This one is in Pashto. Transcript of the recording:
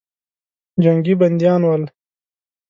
جنګي بندیان ول.